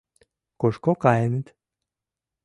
Кушко каеныт?